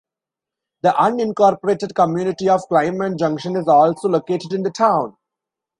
The unincorporated community of Clyman Junction is also located in the town.